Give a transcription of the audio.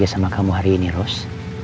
ada masalah apa mas